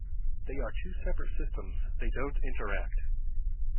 They are two separate systems that don't interact.